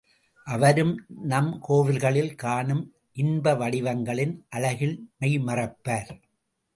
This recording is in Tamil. அவரும் நம் கோவில்களில் காணும் இன்பவடிவங்களின் அழகில் மெய் மறப்பார்.